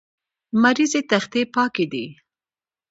لمریزې تختې پاکې دي.